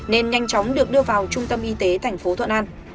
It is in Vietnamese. nên nhanh chóng được đưa vào trung tâm y tế thành phố thuận an